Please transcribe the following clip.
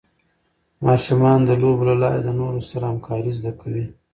ماشومان د لوبو له لارې د نورو سره همکارۍ زده کوي.